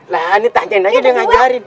nah ini tanya aja dengan carit